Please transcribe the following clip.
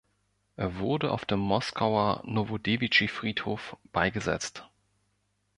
Er wurde auf dem Moskauer Nowodewitschi-Friedhof beigesetzt.